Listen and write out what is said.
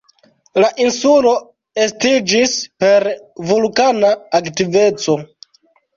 La insulo estiĝis per vulkana aktiveco.